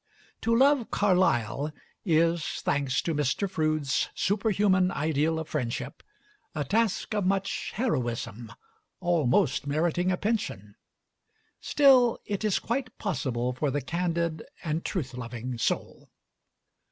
To love Carlyle is, thanks to Mr. Froude's superhuman ideal of friendship, a task of much heroism, almost meriting a pension; still it is quite possible for the candid and truth loving soul.